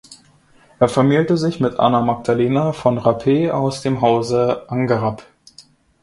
Er vermählte sich mit Anna Magdalena von Rappe aus dem Hause Angerapp.